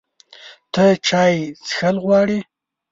ته چای څښل غواړې؟